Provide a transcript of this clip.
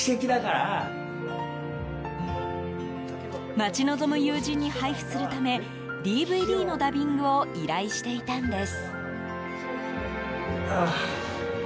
待ち望む友人に配布するためＤＶＤのダビングを依頼していたんです。